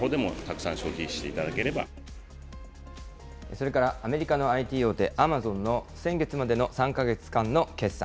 それからアメリカのＩＴ大手アマゾンの先月までの３か月間の決算。